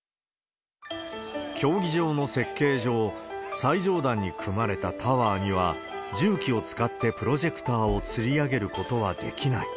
競技場の設計上、最上段に組まれたタワーには、重機を使ってプロジェクターをつり上げることはできない。